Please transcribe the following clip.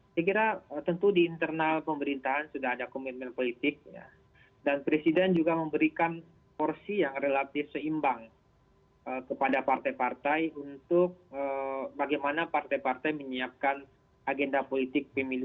saya kira tentu di internal pemerintahan sudah ada komitmen politik dan presiden juga memberikan porsi yang relatif seimbang kepada partai partai untuk bagaimana partai partai menyiapkan agenda politik pemilu dua ribu sembilan belas